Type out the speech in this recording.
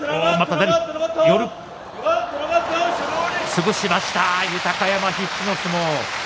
潰しました、豊山必死の相撲。